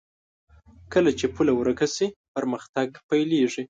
کله چې پوله ورکه شي، پرمختګ پيلېږي.